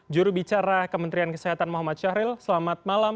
juru bicara kementerian kesehatan muhammad syahril selamat malam